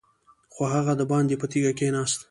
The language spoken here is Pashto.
خو هغه دباندې په تيږه کېناست.